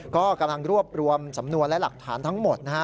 ก็กำลังรวบรวมสำนวนและหลักฐานทั้งหมดนะฮะ